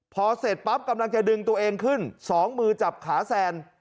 พอเสร็จปั๊บกำลังจะดึงตัวเองขึ้น๒มือจับขาแซน